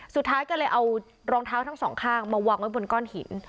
สุดท้ายก็เลยเอารองเท้าทั้งสองข้างมาวางไว้บนก้อนหิน